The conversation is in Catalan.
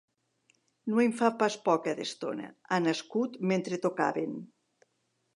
No en fa pas poca d'estona, ha nascut mentre tocaven